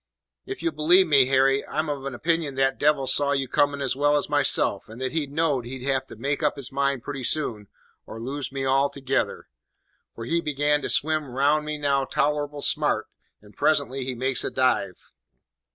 "If you'll believe me, Harry, I'm of opinion that devil saw you comin' as well as myself, and that he knowed he'd have to make up his mind pretty soon, or lose me altogether, for he began to swim round me now tolerable smart, and presently he makes a dive.